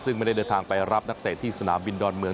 ซึ่งไม่ได้เดินทางไปรับนักเตะที่สนามบินดอนเมือง